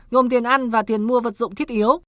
gồm tiền ăn và tiền mua vật dụng thiết yếu